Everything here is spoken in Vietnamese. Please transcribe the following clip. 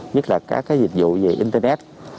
nhất là các dịch vụ về internet